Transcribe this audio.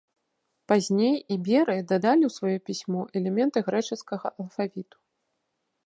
Пазней іберы дадалі ў сваё пісьмо элементы грэчаскага алфавіту.